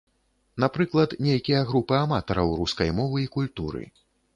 Напрыклад, нейкія групы аматараў рускай мовы і культуры.